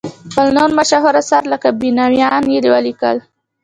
خپل نور مشهور اثار لکه بینوایان یې ولیکل.